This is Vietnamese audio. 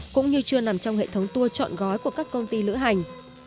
cũng như chưa nằm trong hệ thống tour chọn gói của các công ty lữ hành